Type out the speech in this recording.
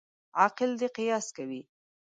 عاقل دي قیاس کوي.